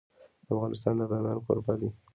افغانستان د بامیان کوربه دی.